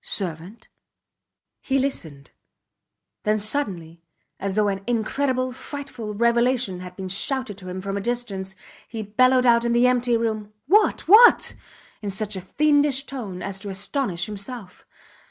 Servant? He listened, then, suddenly, as though an incredible, frightful revelation had been shouted to him from a distance, he bellowed out in the empty room: What! What! in such a fiendish tone as to astonish himself.